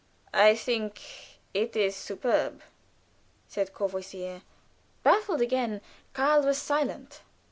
"I think it is superb!" said Courvoisier. Baffled again, Karl was silent.